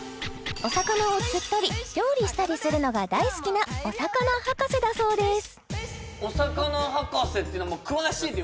お魚を釣ったり料理したりするのが大好きなお魚博士だそうです